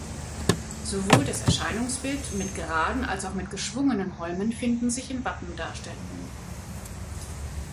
Sowohl das Erscheinungsbild mit geraden als auch mit geschwungenen Holmen finden sich in Wappendarstellungen.